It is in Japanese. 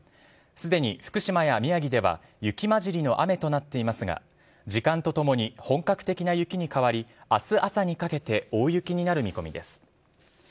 すでに福島や宮城では雪まじりの雨となっていますが時間とともに本格的な雪に変わり明日朝にかけて大雪になる見込みです。